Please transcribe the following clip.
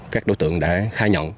các đối tượng đã khai nhận